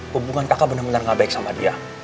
hubungan kakak bener bener gak baik sama dia